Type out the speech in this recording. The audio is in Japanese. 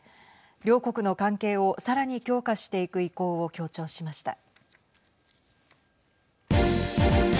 両国の関係をさらに強化していく意向を強調しました。